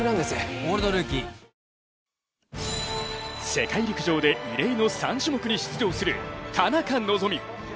世界陸上で異例の３種目に出場する田中希実。